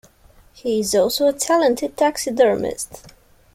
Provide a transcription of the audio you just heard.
He is also a talented taxidermist.